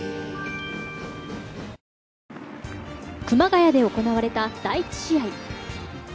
熊谷で行われた第１試合。